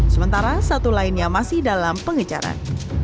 sementara satu lainnya masih dalam pengejaran